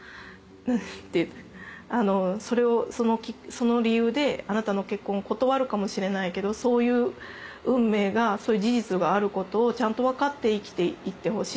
「その理由であなたの結婚を断るかもしれないけどそういう運命がそういう事実があることをちゃんと分かって生きていってほしい。